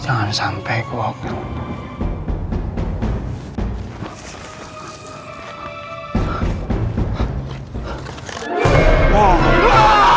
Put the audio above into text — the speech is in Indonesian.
jangan sampe gue ketauan nih